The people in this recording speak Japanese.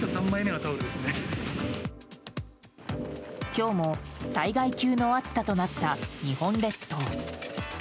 今日も災害級の暑さとなった日本列島。